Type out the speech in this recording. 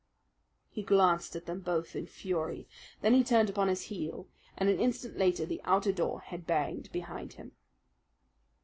He glanced at them both in fury. Then he turned upon his heel, and an instant later the outer door had banged behind him.